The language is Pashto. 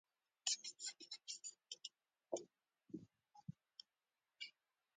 د ژوند په دویمه لسیزه کې